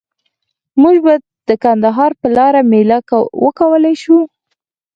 موږ به د کندهار په لاره میله وکولای شو؟